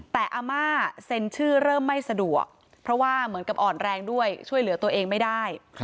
แต่อาม่าเซ็นชื่อเริ่มไม่สะดวกเพราะว่าเหมือนกับอ่อนแรงด้วยช่วยเหลือตัวเองไม่ได้